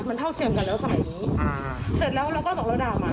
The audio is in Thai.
มันเท่าเทียมกันแล้วสมัยนี้อ่าเสร็จแล้วเราก็บอกเราด่ามา